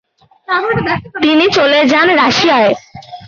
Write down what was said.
তিনি চলে যান রাশিয়ায়।